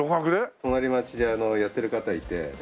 隣町でやっている方がいて。